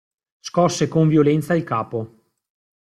Scosse con violenza il capo.